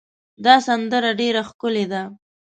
دا سندره ډېره ښکلې ده.